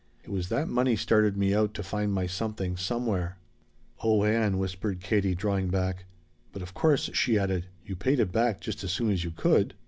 It was that money started me out to find my Something Somewhere." "Oh Ann!" whispered Katie, drawing back. "But of course," she added, "you paid it back just as soon as you could?"